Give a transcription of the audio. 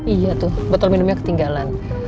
iya tuh botol minumnya ketinggalan